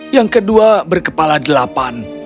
yang kedua berkepala delapan